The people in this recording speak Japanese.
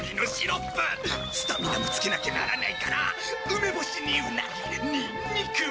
スタミナもつけなきゃならないから梅干しにウナギニンニクも。